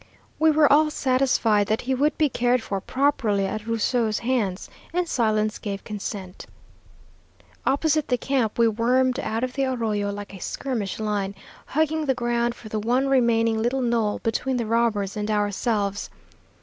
We were all satisfied that he would be cared for properly at Rusou's hands, and silence gave consent. "Opposite the camp we wormed out of the arroyo like a skirmish line, hugging the ground for the one remaining little knoll between the robbers and ourselves.